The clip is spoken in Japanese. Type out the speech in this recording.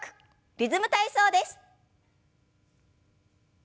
「リズム体操」です。